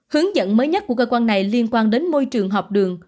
hướng dẫn mới nhất của cơ quan này liên quan đến môi trường học đường